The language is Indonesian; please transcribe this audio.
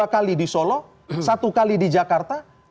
dua kali di solo satu kali di jakarta